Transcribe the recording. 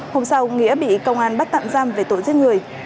hôm sau nghĩa bị công an bắt tạm giam về tội giết người